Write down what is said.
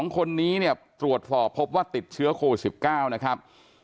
๒คนนี้เนี่ยตรวจสอบพบว่าติดเชื้อโควิด๑๙นะครับ